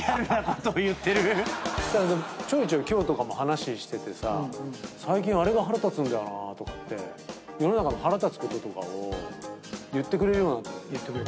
ちょいちょい今日とかも話しててさ「最近あれが腹立つんだよな」って世の中の腹立つこととかを言ってくれるようになったの。